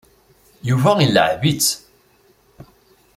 Yuba ileεεeb-itt.